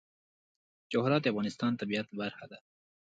جواهرات د افغانستان د طبیعت برخه ده.